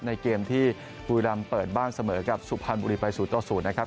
ในเกมที่บุรีรัมป์เปิดบ้านเสมอกับสุภัณฑ์บุรีไป๐๐นะครับ